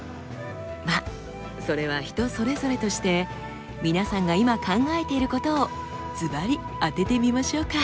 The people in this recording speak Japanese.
まあそれは人それぞれとして皆さんが今考えていることをずばり当ててみましょうか？